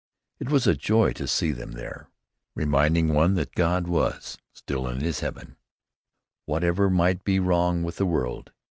It was a joy to see them there, reminding one that God was still in his heaven, whatever might be wrong with the world.